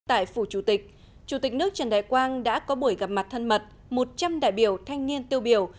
tại phủ chủ tịch chủ tịch nước trần đại quang đã có buổi gặp mặt thân mật một trăm linh đại biểu thanh niên tiêu biểu